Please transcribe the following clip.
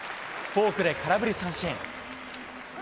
フォークで空振り三振。